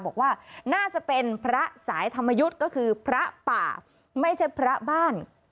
บอกว่าน่าจะเป็นพระสายธรรมยุทธ์ก็คือพระป่าไม่ใช่พระบ้าน